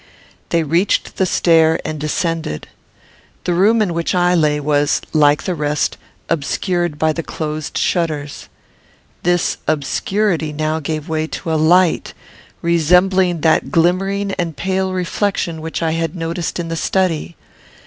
They reached the stair and descended. The room in which I lay was, like the rest, obscured by the closed shutters. This obscurity now gave way to a light, resembling that glimmering and pale reflection which I had noticed in the study.